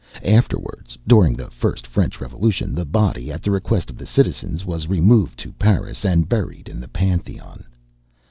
Afterwards, during the first French Revolution, the body, at the request of the citizens, was removed to Paris, and buried in the Pantheon.